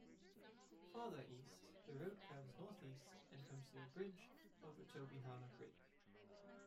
Farther east, the road curves northeast and comes to a bridge over Tobyhanna Creek.